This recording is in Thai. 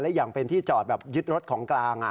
และอย่างเป็นที่จอดแบบยึดรถของกลาง